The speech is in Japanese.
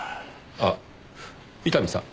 あっ伊丹さん。